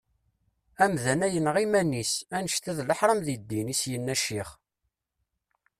Amdan-a yenɣa iman-is, annect-a d leḥram deg ddin, i as-yenna ccix.